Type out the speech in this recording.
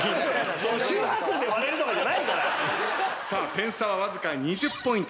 点差はわずか２０ポイントです。